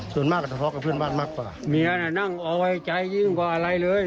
ส่วนมากก็ทะเลาะกับเพื่อนบ้านมากกว่าเมียน่ะนั่งเอาไว้ใจยิ่งกว่าอะไรเลย